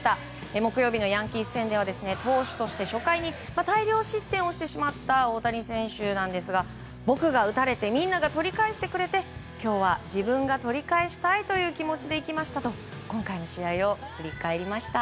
木曜日のヤンキース戦では投手として初回に大量失点をしてしまった大谷選手ですが僕が打たれてみんなが取り返してくれて今日は自分が取り返したいという気持ちでいきましたと今回の試合を振り返りました。